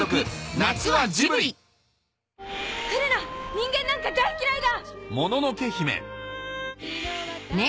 人間なんか大っ嫌いだ！